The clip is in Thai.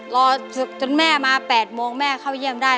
จนแม่มา๘โมงแม่เข้าเยี่ยมได้